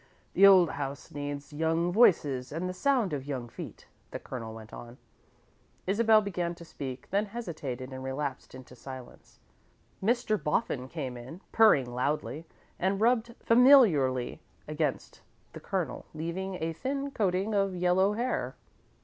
"The old house needs young voices and the sound of young feet," the Colonel went on. Isabel began to speak, then hesitated and relapsed into silence. Mr. Boffin came in, purring loudly, and rubbed familiarly against the Colonel, leaving a thin coating of yellow hair.